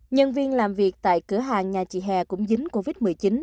nhân viên làm việc tại cửa hàng nhà chị hè cũng dính covid một mươi chín